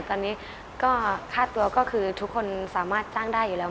ตอนนี้ก็ค่าตัวก็คือทุกคนสามารถจ้างได้อยู่แล้ว